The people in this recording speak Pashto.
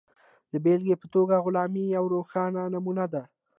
د بېلګې په توګه غلامي یوه روښانه نمونه ده.